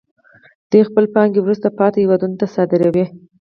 دوی خپلې پانګې وروسته پاتې هېوادونو ته صادروي